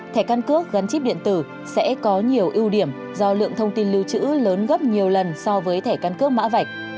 thẻ căn cước gắn chip điện tử sẽ có nhiều ưu điểm do lượng thông tin lưu trữ lớn gấp nhiều lần so với thẻ căn cước mã vạch